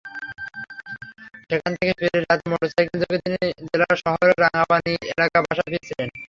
সেখান থেকে ফিরে রাতে মোটরসাইকেলযোগে তিনি জেলা শহরের রাঙাপানি এলাকার বাসায় ফিরছিলেন।